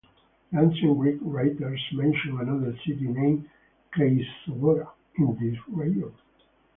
The ancient Greek writers mention another city, named Cleisobora, in this region.